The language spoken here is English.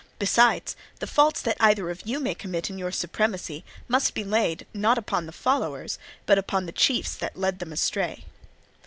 Besides, the faults that either of you may commit in your supremacy must be laid, not upon the followers, but on the chiefs that lead them astray.